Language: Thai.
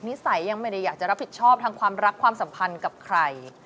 นิสัยยังไม่ได้อยากจะรับผิดชอบทางความรักความสัมพันธ์กับใคร